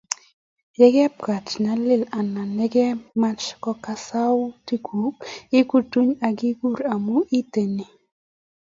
Ye kabit nyalil anan yekemach kokas sautik kuk ikutuny akikur amu iteni.